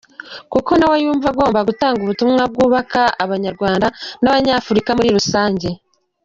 kuko nawe yumva agomba gutanga ubutumwa bwubaka Abanyarwanda n’Abanyafurika muri rusange.